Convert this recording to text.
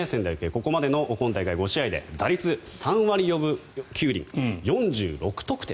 ここまでの今大会５試合で打率３割４分９厘、４６得点。